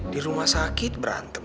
di rumah sakit berantem